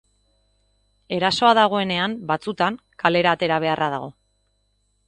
Erasoa dagoenean, batzutan, kalera atera beharra dago.